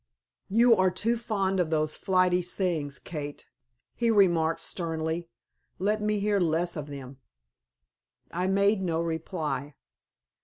"You are too fond of those flighty sayings, Kate," he remarked, sternly. "Let me hear less of them." I made no reply.